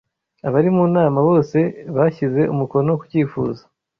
Abari mu nama bose bashyize umukono ku cyifuzo.